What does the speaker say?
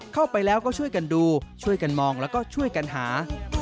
เข้าไปแล้วก็ช่วยกันดูช่วยกันมองแล้วก็ช่วยกันหา